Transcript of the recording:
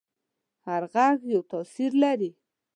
هر غږ یو تاثیر لري.